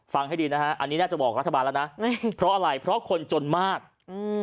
ให้ดีนะฮะอันนี้น่าจะบอกรัฐบาลแล้วนะเพราะอะไรเพราะคนจนมากอืม